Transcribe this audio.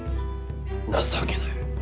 情けなや。